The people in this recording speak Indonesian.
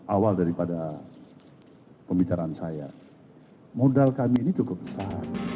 awal daripada pembicaraan saya modal kami ini cukup besar